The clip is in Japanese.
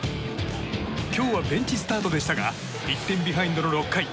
今日はベンチスタートでしたが１点ビハインドの６回。